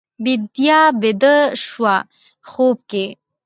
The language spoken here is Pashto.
بیدیا بیده شوه خوب کې